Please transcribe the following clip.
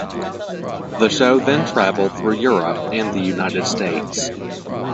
The show then traveled through Europe and the United States.